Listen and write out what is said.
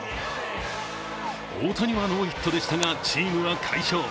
大谷はノーヒットでしたがチームは快勝。